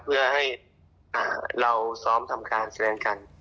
เพื่อให้เราซ้อมทำการแสดงกัน